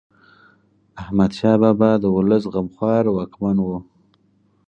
احمد شاه بابا د ولس غمخوار واکمن و.